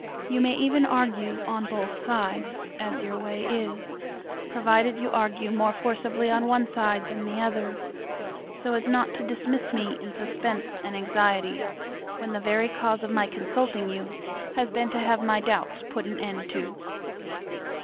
You may even argue on both sides (as your way is), provided you argue more forcibly on one side than the other, so as not to dismiss me in suspense and anxiety, when the very cause of my consulting you has been to have my doubts put an end to.